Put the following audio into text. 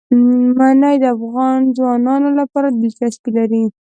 منی د افغان ځوانانو لپاره دلچسپي لري.